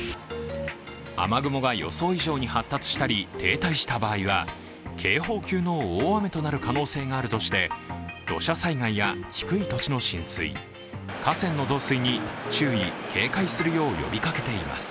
雨雲が予想以上に発達したり停滞した場合は警報級の大雨となる可能性があるとして、土砂災害や低い土地の浸水、河川の増水に注意・警戒するよう呼びかけています。